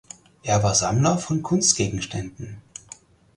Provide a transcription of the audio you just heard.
Er war Sammler von Kunstgegenständen.